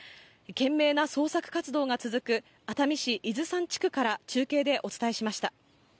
懸命な捜索活動が続く熱海市伊豆山地区から中継でお伝えしました。